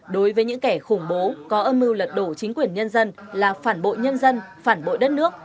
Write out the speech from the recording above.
đối với những kẻ khủng bố có âm mưu lật đổ chính quyền nhân dân là phản bội nhân dân phản bội đất nước